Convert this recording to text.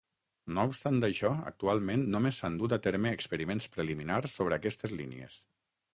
No obstant això, actualment només s'han dut a terme experiments preliminars sobre aquestes línies.